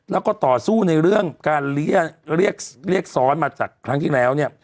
แล้วก็ต่อสู้ในเรื่องการเรียกซ้อนมาจากครั้งที่แล้วเนี่ย